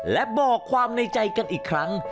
และบอกความในใจกันอีกครั้ง